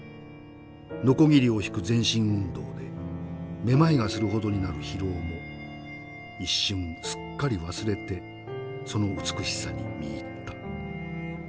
のこぎりを引く全身運動でめまいがするほどになる疲労も一瞬すっかり忘れてその美しさに見入った。